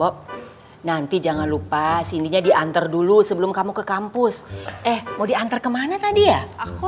oh nanti jangan lupa sininya diantar dulu sebelum kamu ke kampus eh mau diantar kemana tadi ya aku